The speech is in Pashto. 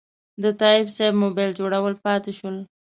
د تایب صیب موبایل جوړول پاتې شول.